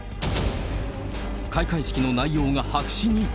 開会式の内容が白紙に。